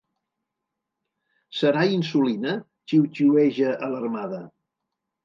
Serà insulina? —xiuxiueja, alarmada.